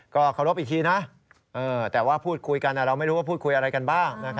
เคารพอีกทีนะแต่ว่าพูดคุยกันเราไม่รู้ว่าพูดคุยอะไรกันบ้าง